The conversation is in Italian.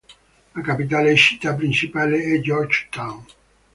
La capitale e città principale è Georgetown.